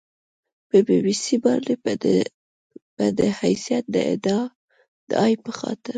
په بي بي سي باندې به د حیثیت د اعادې په خاطر